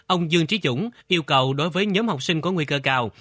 ông dương trí dũng yêu cầu đối với nhóm học sinh có nguy cơ cao